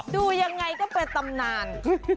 ดูยังไงก็เป็นตำนาน